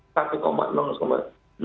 bagaimana yang disebut menteri